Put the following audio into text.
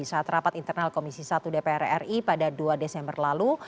saat rapat internal komisi satu dpr ri pada dua desember lalu